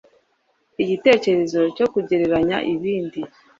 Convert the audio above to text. igitekerezo cyo kugereranya ibindi